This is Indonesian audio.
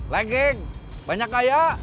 lekeng banyak kaya